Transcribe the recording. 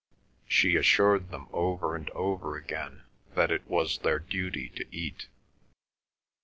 She assured them over and over again that it was their duty to eat.